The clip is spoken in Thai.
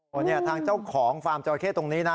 วันนี้ทางเจ้าของฟาร์มจราเข้ตรงนี้นะ